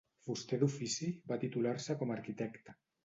Fuster d'ofici, va titular-se com arquitecte.